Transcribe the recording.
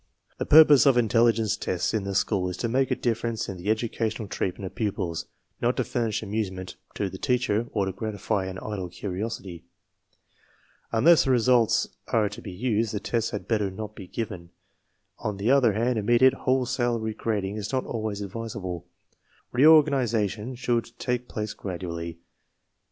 The^purpose of intelligeace /i tests in the schools is to make a difference" in the edu cational treatment of pupils, not to furnish amusement to the teacher or to gratify an idle curiosity. Unless the results are to be used, the tests had better not be given. On the other hand, immediate wholesale re grading is not always advisable. Reorganization should i/ _take place gradually.